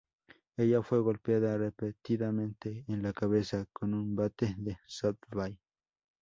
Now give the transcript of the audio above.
Ella fue golpeada repetidamente en la cabeza con un bate de softball.